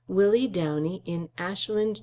Willie Downey in Ashland (N.